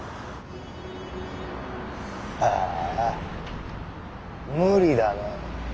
ああ無理だな。